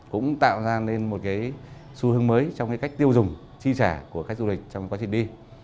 cũng tạo ra nên một cái xu hướng mới trong cái cách tiêu dùng chi trả của khách du lịch trong quá trình đi